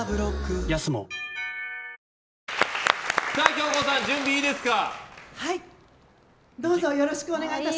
京子さん、準備いいですか。